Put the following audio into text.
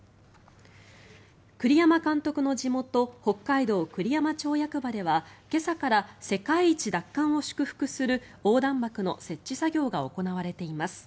栗山監督の地元北海道栗山町役場では、今朝から世界一奪還を祝福する横断幕の設置作業が行われています。